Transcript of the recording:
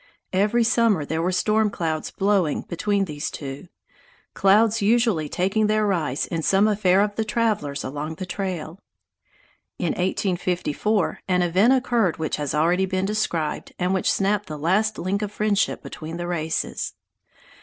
Every summer there were storm clouds blowing between these two clouds usually taking their rise in some affair of the travelers along the trail. In 1854 an event occurred which has already been described and which snapped the last link of friendship between the races.